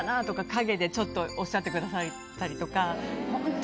陰でちょっとおっしゃってくださったりとか。